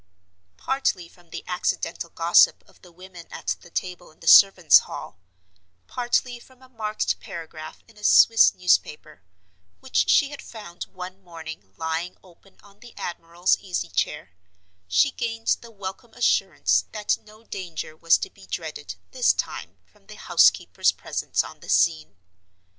Partly from the accidental gossip of the women at the table in the servants' hall; partly from a marked paragraph in a Swiss newspaper, which she had found one morning lying open on the admiral's easy chair—she gained the welcome assurance that no danger was to be dreaded, this time, from the housekeeper's presence on the scene.